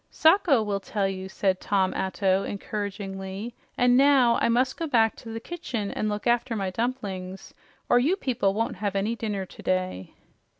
"Sacho will tell you," said Tom Atto encouragingly. "And now I must go back to the kitchen and look after my dumplings, or you people won't have any dinner today."